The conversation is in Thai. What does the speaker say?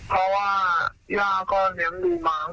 เพราะว่าย่าก็เหล้นดูม้ามั้ง